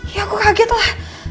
ya aku kaget lah